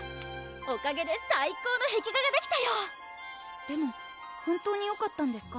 おかげで最高の壁画ができたよでも本当によかったんですか？